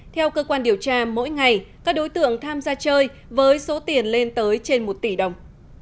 theo cơ quan điều tra mỗi ngày các đối tượng tham gia chơi với số tiền lên tới trên một tỷ đồng